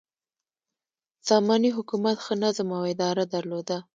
ساماني حکومت ښه نظم او اداره درلوده.